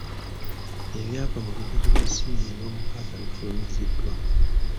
Ebyava mu bigezo bya siniya eyomukaaga bifulumiziddwa.